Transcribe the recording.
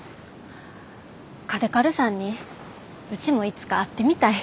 嘉手刈さんにうちもいつか会ってみたい。